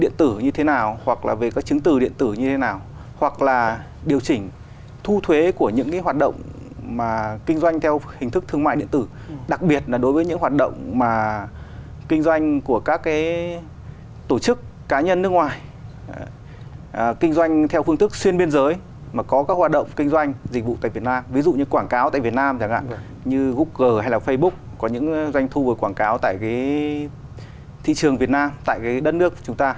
điện tử như thế nào hoặc là về các chứng từ điện tử như thế nào hoặc là điều chỉnh thu thuế của những cái hoạt động mà kinh doanh theo hình thức thương mại điện tử đặc biệt là đối với những hoạt động mà kinh doanh của các cái tổ chức cá nhân nước ngoài kinh doanh theo phương thức xuyên biên giới mà có các hoạt động kinh doanh dịch vụ tại việt nam ví dụ như quảng cáo tại việt nam như google hay là facebook có những doanh thu của quảng cáo tại cái thị trường việt nam tại cái đất nước chúng ta